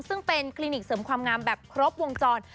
ซึ่งเป็นคลินิกเสริมความงามแบบครบวงจร